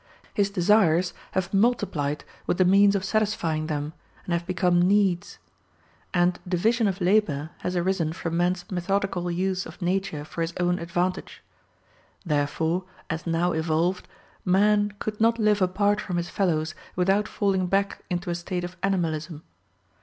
His desires have multiplied with the means of satisfying them, and have become needs. And division of labor has arisen from man's methodical use of nature for his own advantage. Therefore, as now evolved, man could not live apart from his fellows without falling back into a state of animalism.